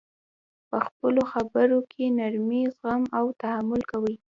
په خپلو خبر کي نرمي، زغم او تحمل کوئ!